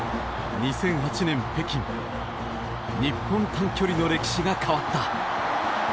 ２００８年北京日本短距離の歴史が変わった。